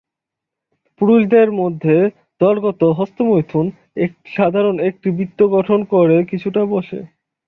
পুরুষদের মধ্যে দলগত হস্তমৈথুন, সাধারণত একটি বৃত্ত গঠন করে কিছুটা বসে।